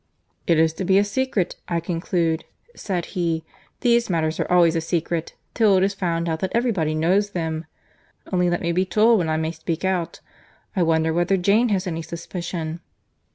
"It is to be a secret, I conclude," said he. "These matters are always a secret, till it is found out that every body knows them. Only let me be told when I may speak out.—I wonder whether Jane has any suspicion."